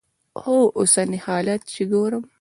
خو اوسني حالات چې ګورم.